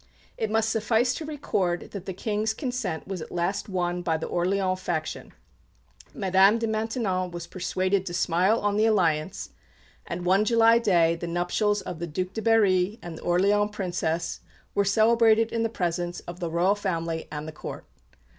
It must suffice to record that the King's consent was at last won by the Orleans faction; Madame de Maintenon was persuaded to smile on the alliance; and, one July day, the nuptials of the Duc de Berry and the Orleans Princess were celebrated in the presence of the Royal family and the Court.